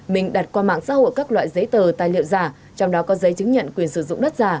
mình đặt qua mạng xã hội các loại giấy tờ tài liệu giả trong đó có giấy chứng nhận quyền sử dụng đất giả